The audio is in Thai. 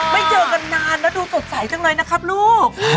ไม่เจอกันนานแล้วดูสดใสจรรย์ทั้งน้อยนะครับลูก